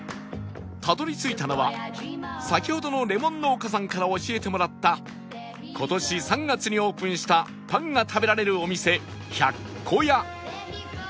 たどり着いたのは先ほどのレモン農家さんから教えてもらった今年３月にオープンしたパンが食べられるお店 ＨＹＡＫＫＯＹＡ